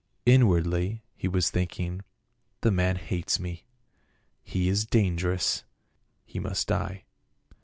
Inwardly he was thinking, "The man hates me ; he is dangerous ; he must die."